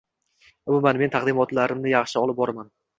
umuman, men taqdimotlarimni doim yaxshilab boraman.